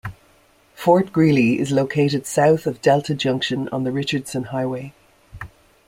Fort Greely is located south of Delta Junction on the Richardson Highway.